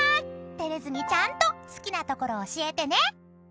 ［照れずにちゃんと好きなところ教えてね］